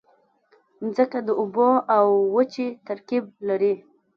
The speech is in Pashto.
مځکه د اوبو او وچې ترکیب لري.